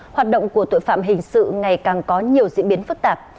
hoạt động của tội phạm hình sự ngày càng có nhiều diễn biến phức tạp